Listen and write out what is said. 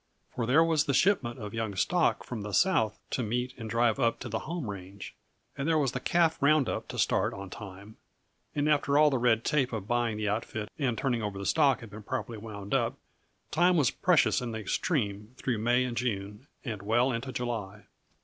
For there was the shipment of young stock from the South to meet and drive up to the home range, and there was the calf round up to start on time, and after all the red tape of buying the outfit and turning over the stock had been properly wound up, time was precious in the extreme through May and June and well into July.